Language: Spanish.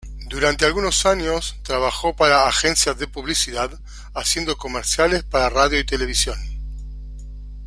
Durante algunos años trabajo para Agencias de Publicidad haciendo comerciales para radio y televisión.